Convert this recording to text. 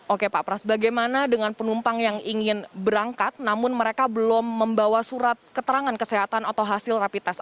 oke pak pras bagaimana dengan penumpang yang ingin berangkat namun mereka belum membawa surat keterangan kesehatan atau hasil rapid test